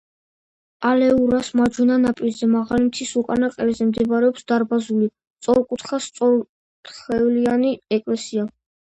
ალეურას მარჯვენა ნაპირზე, მაღალი მთის უკანა ყელზე მდებარეობს დარბაზული, სწორკუთხა საკურთხევლიანი ეკლესია.